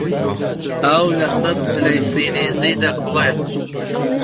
ئاو لە سەد پلەی سیلیزی دەکوڵێت.